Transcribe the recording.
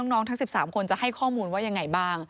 ทั้ง๑๓คนจะให้ข้อมูลว่ายังไงบ้าง